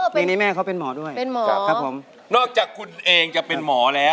เพลงนี้แม่เขาเป็นหมอด้วยเป็นหมอครับผมนอกจากคุณเองจะเป็นหมอแล้ว